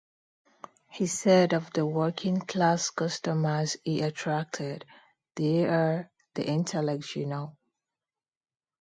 He said of the working-class customers he attracted, "They're" the intellect, you know".